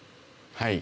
はい。